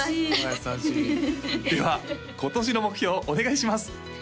優しいでは今年の目標お願いします